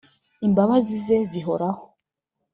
imbabazi ze zihoraho.